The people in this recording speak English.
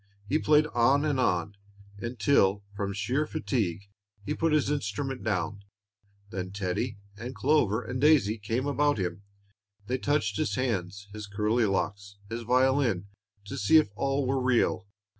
He played on and on, until, from sheer fatigue, he put his instrument down. Then Teddie and Clover and Daisy came about him; they touched his hands, his curly locks, his violin, to see if all were real.